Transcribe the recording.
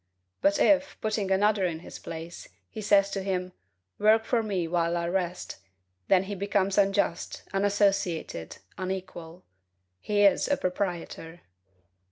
But if, putting another in his place, he says to him, "Work for me while I rest," he then becomes unjust, unassociated, UNEQUAL. He is a proprietor.